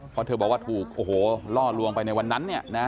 เพราะเธอบอกว่าถูกโอ้โหล่อลวงไปในวันนั้นเนี่ยนะ